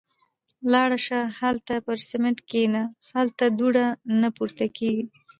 – لاړه شه. هالته پر سمڼت کېنه. هلته دوړه نه پورته کېږي.